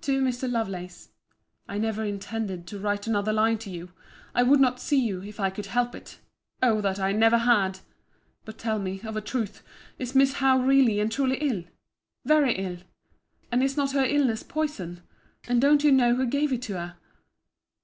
TO MR. LOVELACE I never intended to write another line to you. I would not see you, if I could help it—O that I never had! But tell me, of a truth, is Miss Howe really and truly ill?—Very ill?—And is not her illness poison? And don't you know who gave it to her?